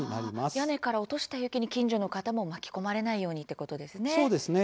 屋根から落とした雪に近所の方も巻き込まれないようにそうですね。